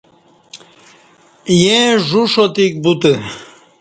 ییں ژ و ݜاتیک بوتہ